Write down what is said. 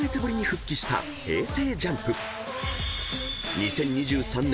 ［２０２３年